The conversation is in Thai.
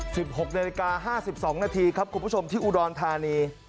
หกนาฬิกาห้าสิบสองนาทีครับคุณผู้ชมที่อุดรธานี